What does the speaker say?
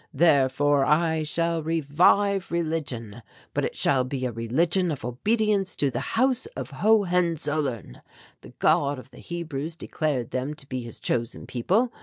Therefore I shall revive religion, but it shall be a religion of obedience to the House of Hohenzollern. The God of the Hebrews declared them to be his chosen people.